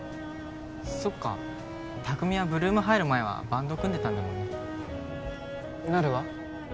そっか巧は８ＬＯＯＭ入る前はバンド組んでたんだもんねなるは？